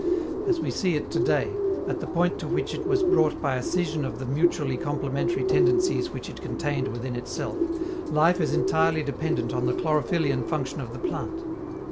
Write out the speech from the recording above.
As we see it to day, at the point to which it was brought by a scission of the mutually complementary tendencies which it contained within itself, life is entirely dependent on the chlorophyllian function of the plant.